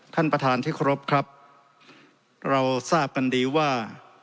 ท่านประธานที่เคารพครับเราทราบกันดีว่า